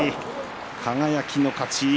輝の勝ち。